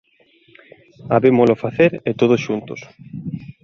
Habémolo facer, e todos xuntos.